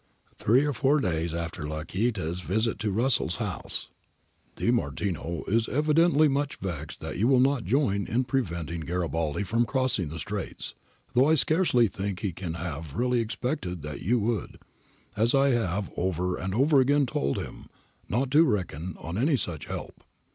[Three or four days after Lacaita's visit to Russell's house, see pp. 105 108 above.] ' De Martino [Neapolitan Minister for Foreign Affairs] is evidently much vexed that you will not join in preventing Garibaldi from crossing the Straits, though I scarcely think he can have really expected that you would, as I have over and over again told him not to reckon on any such help.'